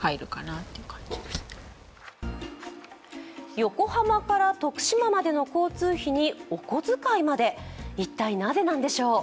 横浜から徳島までの交通費にお小遣いまで一体なぜなんでしょう。